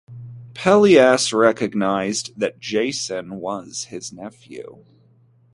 Pelias recognized that Jason was his nephew.